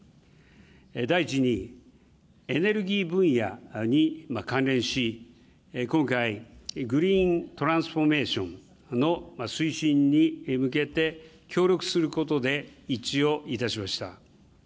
第１に、エネルギー分野に関連し、今回、グリーン・トランスフォーメーションの推進に向けて協力することで一致をいたしました。